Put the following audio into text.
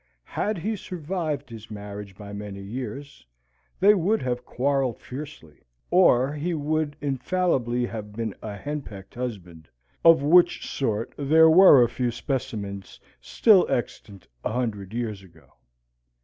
Had he survived his marriage by many years, they would have quarrelled fiercely, or, he would infallibly have been a henpecked husband, of which sort there were a few specimens still extant a hundred years ago.